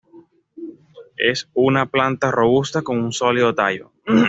Es una planta robusta con un sólido tallo.